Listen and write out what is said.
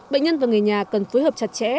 bệnh nhân và người nhà cần phối hợp chặt chẽ